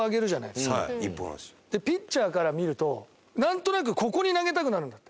でピッチャーから見るとなんとなくここに投げたくなるんだって。